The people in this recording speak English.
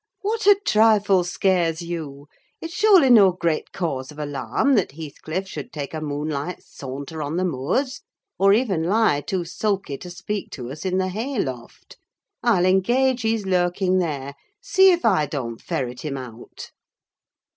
"What a trifle scares you! It's surely no great cause of alarm that Heathcliff should take a moonlight saunter on the moors, or even lie too sulky to speak to us in the hay loft. I'll engage he's lurking there. See if I don't ferret him out!"